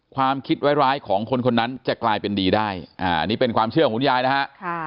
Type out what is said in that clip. ความคิดร้ายของคนคนนั้นจะกลายเป็นดีได้อันนี้เป็นความเชื่อของคุณยายนะฮะ